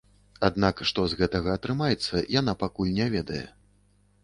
Аднак што з гэтага атрымаецца, яна пакуль не ведае.